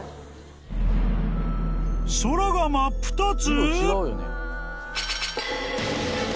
［空が真っ二つ！？］